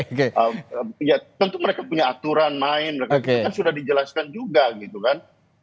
ya tentu mereka punya aturan main itu kan sudah dijelaskan juga gitu kan